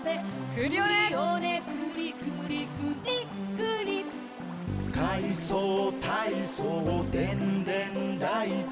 「クリオネクリクリ」「クリックリ」「かいそうたいそうでんでんだいこ」